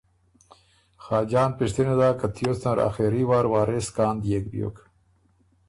خاجان پِشتِنه داک که تیوس نر آخېری وار وارث کان ديېک بیوک۔